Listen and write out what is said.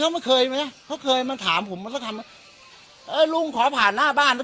เขาไม่เคยไหมเขาเคยมาถามผมมาสักคำว่าเออลุงขอผ่านหน้าบ้านด้วย